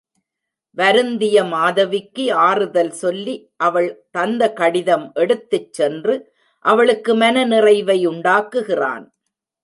வருந்திய மாதவிக்கு ஆறுதல் சொல்லி அவள் தந்த கடிதம் எடுத்துச் சென்று அவளுக்கு மன நிறைவை உண்டாக்குகிறான்.